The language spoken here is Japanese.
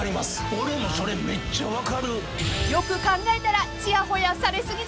俺もそれめっちゃ分かる。